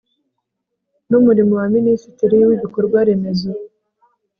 n Umurimo na Minisitiri w Ibikorwa Remezo